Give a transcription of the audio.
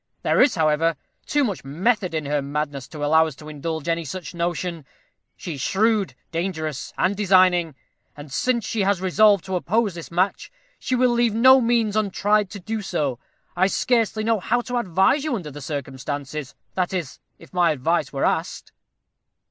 There is, however, too much method in her madness to allow us to indulge any such notion; she is shrewd, dangerous, and designing; and, since she has resolved to oppose this match, she will leave no means untried to do so. I scarcely know how to advise you under the circumstances that is, if my advice were asked."